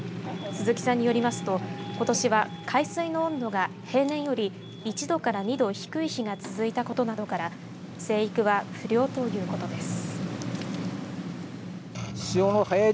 鈴木さんによりますとことしは海水の温度が平年より１度から２度低い日が続いたことなどから生育は不良ということです。